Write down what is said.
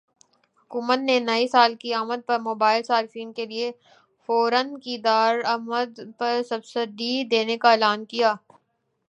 حکومت نے نئی سال کی آمد پر موبائل صارفین کے لیے فونز کی درآمد پرسبسڈی دینے کا اعلان کیا ہے